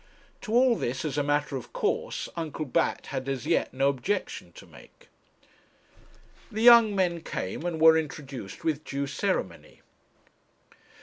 To all this, as a matter of course, Uncle Bat had as yet no objection to make. The young men came, and were introduced with due ceremony.